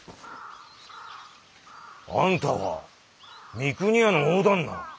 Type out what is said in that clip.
あんたは三国屋の大旦那。